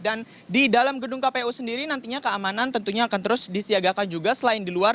dan di dalam gedung kpu sendiri nantinya keamanan tentunya akan terus disiagakan juga selain di luar